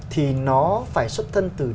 thì nó phải xuất thân từ